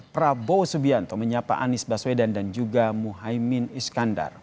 prabowo subianto menyapa anies baswedan dan juga muhaymin iskandar